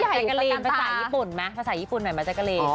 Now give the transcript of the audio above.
อาหารกรีมภาษาญี่ปุ่นไหมภาษาญี่ปุ่นไหมภาษากรีม